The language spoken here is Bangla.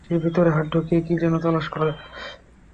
সে ভিতরে হাত ঢুকিয়ে কি যেন তালাশ করে।